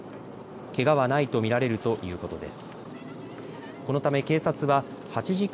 けがはないと見られるということです。